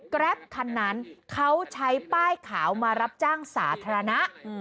แรปคันนั้นเขาใช้ป้ายขาวมารับจ้างสาธารณะ